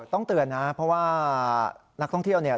ต้องเตือนนะเพราะว่านักท่องเที่ยวเนี่ย